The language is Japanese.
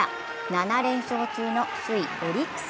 ７連勝中の首位・オリックス。